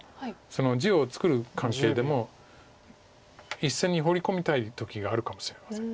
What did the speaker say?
地を作る関係でも１線にホウリ込みたい時があるかもしれません。